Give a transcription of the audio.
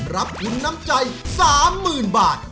รับทุนน้ำใจ๓๐๐๐บาท